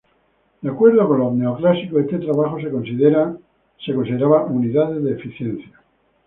De acuerdo con los neoclásicos este trabajo se consideraba "unidades de eficiencia".